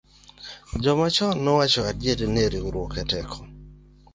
Joma chon ne owacho adieri ni riwruok e teko.